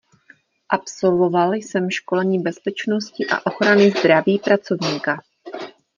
Absolvoval jsem školení Bezpečnosti a ochrany zdraví pracovníka.